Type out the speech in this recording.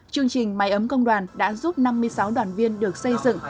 chương trình máy ấm công đoàn đã giúp năm mươi sáu đoàn viên được xây dựng